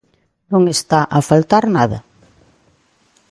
Non está a faltar nada.